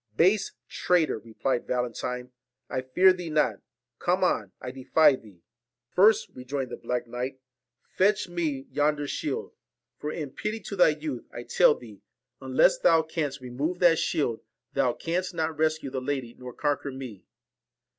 ' Base traitor,' replied Valentine, ' I fear thee not ; come on I defy thee.' 1 First,' rejoined the black knight, ' fetch me 44 yonder shield ; for in pity to thy youth, I tell thee, VALEN unless thou canst remove that shield, thou canst not rescue the lady, nor conquer me.'